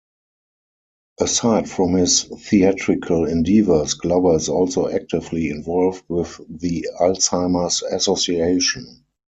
Aside from his theatrical endeavours, Glover is also actively involved with the Alzheimer's Association.